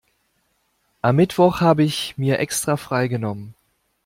Am Mittwoch habe ich mir extra freigenommen.